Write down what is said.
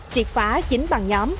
triệt phá chín bằng nhóm